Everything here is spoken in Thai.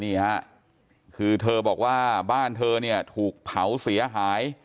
นี่ฮะคือเธอบอกว่าบ้านเธอเนี่ยถูกเผาเสียหาย